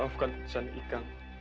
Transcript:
maafkan keputusan ikang